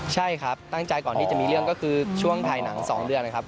ใช่ครับตั้งใจก่อนที่จะมีเรื่องก็คือช่วงถ่ายหนัง๒เดือนนะครับ